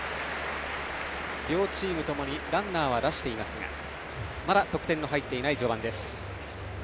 両チームともにランナーは出していますがまだ得点の入っていない序盤です。